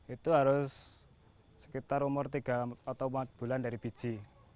itu harus sekitar umur tiga atau empat bulan dari biji